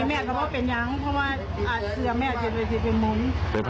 ไม่อาจจะเป็นยางเพราะว่าเสือไม่อาจจะเป็นมุ้น